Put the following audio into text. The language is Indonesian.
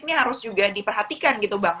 ini harus juga diperhatikan gitu bang